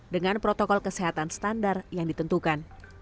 dengan protokol kesehatan standar yang ditentukan